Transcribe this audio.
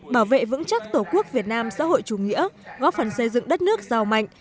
bảo vệ vững chắc tổ quốc việt nam xã hội chủ nghĩa góp phần xây dựng đất nước giàu mạnh